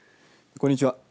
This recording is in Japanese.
こんにちは。